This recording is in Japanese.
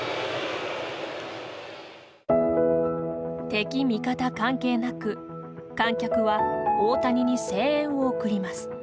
敵味方関係なく観客は大谷に声援を送ります。